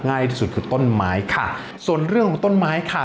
ง่ายที่สุดคือต้นไม้ค่ะส่วนเรื่องของต้นไม้ค่ะ